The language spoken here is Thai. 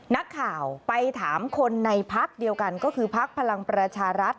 นักข่าวไปถามคนในพักเดียวกันก็คือพักพลังประชารัฐ